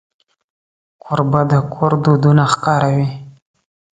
کوربه د کور دودونه ښکاروي.